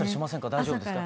大丈夫ですか？